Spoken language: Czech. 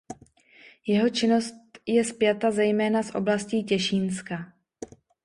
Jeho činnost je spjata zejména s oblastí Těšínska.